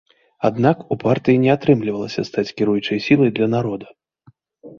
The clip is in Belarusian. Аднак у партыі не атрымлівалася стаць кіруючай сілай для народа.